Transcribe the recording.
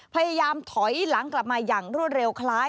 พยายามถอยหลังกลับมาอย่างรวดเร็วคล้าย